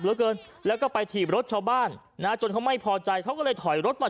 เหลือเกินแล้วก็ไปถีบรถชาวบ้านนะจนเขาไม่พอใจเขาก็เลยถอยรถมา